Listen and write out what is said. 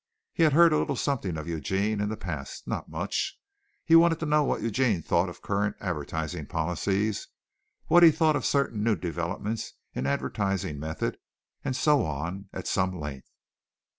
He had heard a little something of Eugene in the past; not much. He wanted to know what Eugene thought of current advertising policies, what he thought of certain new developments in advertising method, and so on, at some length.